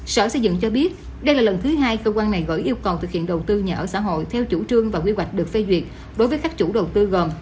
sở xây dựng cho biết đây là lần thứ hai cơ quan này vẫn yêu cầu thực hiện đầu tư nhà ở xã hội theo chủ trương và quy hoạch được phê duyệt đối với các chủ đầu tư gồm